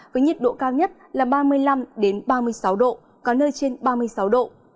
với nhiệt độ cao nhất là ba mươi năm ba mươi sáu độ có nơi trên ba mươi sáu độ